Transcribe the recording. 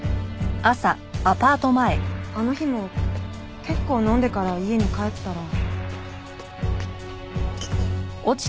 あの日も結構飲んでから家に帰ったら。